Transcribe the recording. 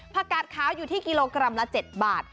กาดขาวอยู่ที่กิโลกรัมละ๗บาท